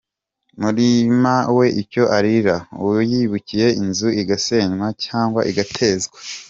murima we icyo ararira; uwiyubakiye inzu igasenywa cyanga igatezwa